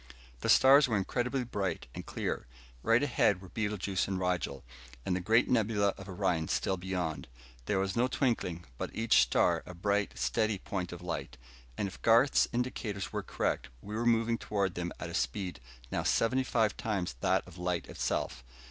The stars were incredibly bright and clear. Right ahead were Betelguese and Rigel, and the great nebula of Orion still beyond. There was no twinkling, but each star a bright, steady point of light. And if Garth's indicators were correct, we were moving toward them at a speed now seventy five times that of light itself.